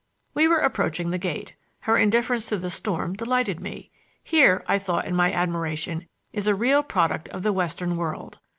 We were approaching the gate. Her indifference to the storm delighted me. Here, I thought in my admiration, is a real product of the western world.